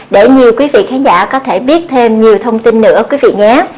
để nhiều quý vị khán giả có thể biết thêm nhiều thông tin nữa quý vị nhé